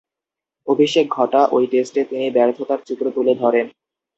অভিষেক ঘটা ঐ টেস্টে তিনি ব্যর্থতার চিত্র তুলে ধরেন।